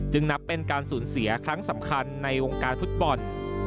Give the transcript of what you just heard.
นับเป็นการสูญเสียครั้งสำคัญในวงการฟุตบอล